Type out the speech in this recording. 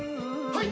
はい！